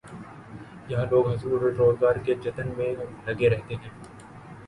یہاں لوگ حصول روزگار کے جتن میں لگے رہتے ہیں۔